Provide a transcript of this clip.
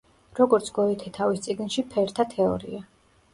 როგორც გოეთე თავის წიგნში „ფერთა თეორია“.